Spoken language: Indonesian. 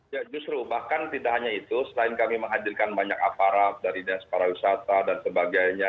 ya justru bahkan tidak hanya itu selain kami menghadirkan banyak aparat dari dinas para wisata dan sebagainya